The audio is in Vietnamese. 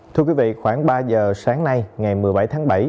thưa quý vị khoảng ba giờ sáng nay ngày một mươi bảy tháng bảy